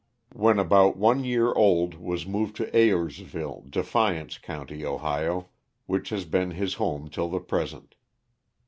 When about one year old was •moved to Ayersville, Defiance county, Ohio, which has been his home till the present.